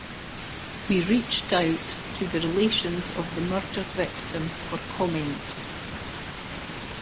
We reached out to the relations of the murder victim for comment.